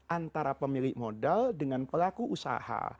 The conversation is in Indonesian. antara pemilik modal dengan pelaku usaha